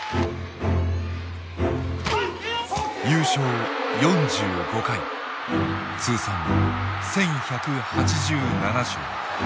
優勝４５回通算１，１８７勝。